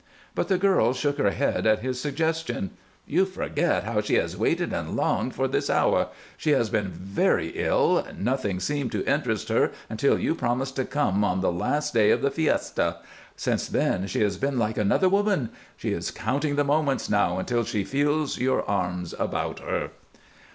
But the girl shook her head at his suggestion. "You forget how she has waited and longed for this hour. She has been very ill; nothing seemed to interest her until you promised to come on the last day of the fiesta. Since then she has been like another woman. She is counting the moments now until she feels your arms about her."